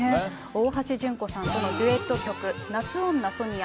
大橋純子さんとのデュエット曲、夏女ソニア。